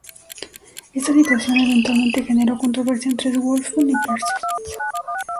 Esta situación eventualmente generó controversia entre Woolfson y Parsons.